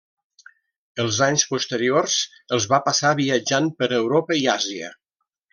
Els anys posteriors els va passar viatjant per Europa i Àsia.